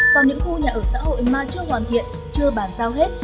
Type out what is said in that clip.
còn những khu nhà ở xã hội mà chưa hoàn thiện chưa bàn giao hết